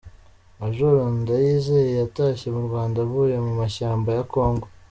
Majoro Ndayizeye yatashye mu Rwanda avuye mu mashyamba ya kongo